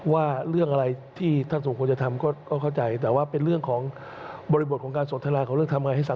ว่าเรื่องอะไรที่ท่านสมควรจะทำก็เข้าใจแต่ว่าเป็นเรื่องของบริบทของการสนทรา